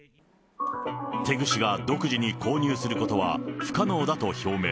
テグ市が独自に購入することは不可能だと表明。